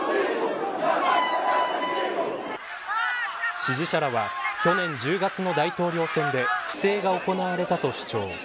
支持者らは去年１０月の大統領選で不正が行われたと主張。